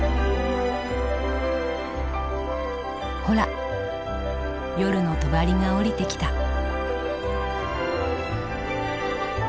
ほら夜のとばりが下りてきた。